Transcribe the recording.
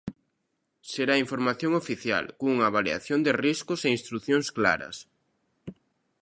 Será información oficial, cunha avaliación de riscos e instrucións claras.